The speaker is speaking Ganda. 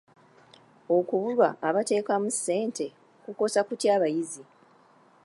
Okubulwa abateekamu ssente kukosa kutya abayizi?